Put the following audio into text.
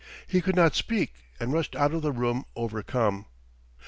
He could not speak and rushed out of the room overcome.